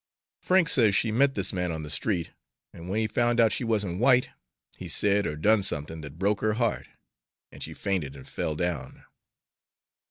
Frank says she met this man on the street, and when he found out she wasn't white, he said or done something that broke her heart and she fainted and fell down.